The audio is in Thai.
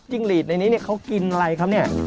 จิ้งลีดในนี้เขากินอะไรครับ